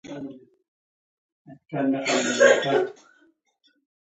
اوس خو وپوهېدې چې په ما پورې اړه لري؟